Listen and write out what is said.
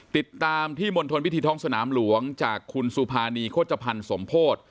ติดตามที่มณฑลพิธีท้องสนามหลวงจากคุณสุภานีโฆษภัณฑ์สมโพธิ